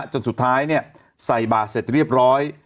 จนสุดท้ายใส่บาทเสร็จเรียบร้อย